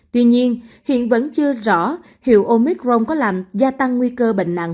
tuy nhiên hiện vẫn chưa rõ hiệu omicron có làm gia tăng nguy cơ bệnh nặng